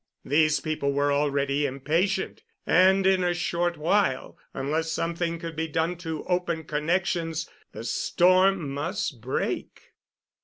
These people were already impatient, and in a short while, unless something could be done to open connections, the storm must break.